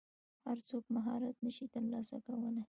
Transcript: هر څوک مهارت نشي ترلاسه کولی.